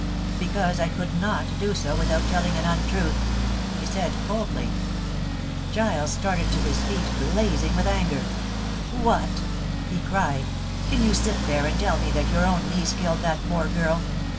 "Because I could not do so without telling an untruth," he said coldly. Giles started to his feet, blazing with anger. "What!" he cried, "can you sit there and tell me that your own niece killed that poor girl?"